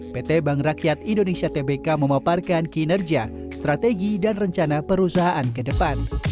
dua ribu dua puluh dua pt bank rakyat indonesia tbk memaparkan kinerja strategi dan rencana perusahaan kedepan